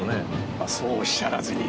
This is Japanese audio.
まあそうおっしゃらずに。